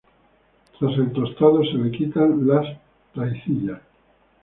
Tras el tostado, se le quitan las raicillas.